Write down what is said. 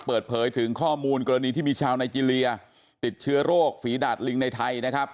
เปิดเผยถึงข้อมูลกรณีที่มีชาวไนเจรียติดเชื้อโรคฝีดาดลิงในไทยนะครับ